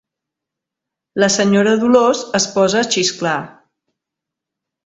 La senyora Dolors es posa a xisclar.